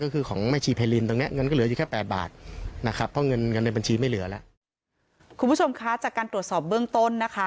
คุณผู้ชมคะจากการตรวจสอบเบื้องต้นนะคะ